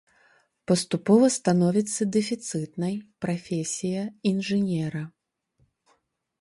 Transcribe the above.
Паступова становіцца дэфіцытнай прафесія інжынера.